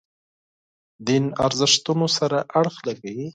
دین ارزښتونو سره اړخ لګوي.